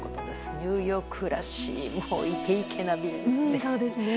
ニューヨークらしいイケイケなビルですね。